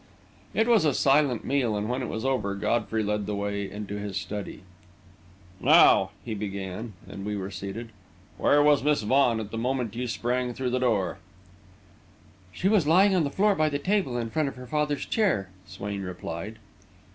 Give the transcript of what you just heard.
It was a silent meal, and when it was over, Godfrey led the way into his study. "Now," he began, when we were seated, "where was Miss Vaughan at the moment you sprang through the door?" "She was lying on the floor by the table, in front of her father's chair," Swain replied.